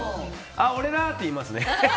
あ、俺だ！って言いますね。